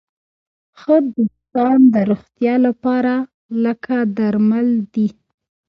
ښه دوستان د روغتیا لپاره لکه درمل دي.